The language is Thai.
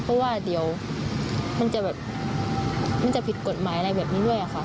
เพราะว่าเดี๋ยวมันจะแบบมันจะผิดกฎหมายอะไรแบบนี้ด้วยค่ะ